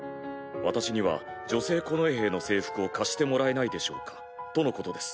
「私には女性近衛兵の制服を貸してもらえないでしょうか」とのことです。